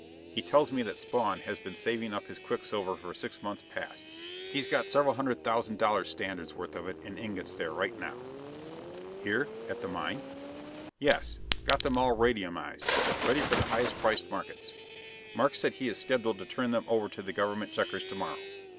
He tells me that Spawn has been saving up his quicksilver for six months past. He's got several hundred thousand dollar standards' worth of it in ingots there right now." "Here at the mine?" "Yes. Got them all radiuminized, ready for the highest priced markets. Markes says he is scheduled to turn them over to the government checkers to morrow.